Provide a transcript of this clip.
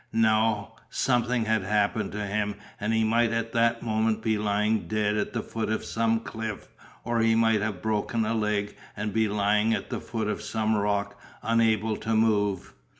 No, something had happened to him and he might at that moment be lying dead at the foot of some cliff or he might have broken a leg and be lying at the foot of some rock unable to move.